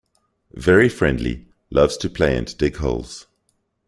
Very friendly, loves to play and dig holes.